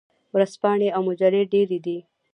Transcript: ورځپاڼې او مجلې ډیرې دي.